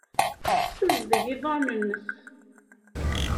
Tessazdeg iḍarren-nnes.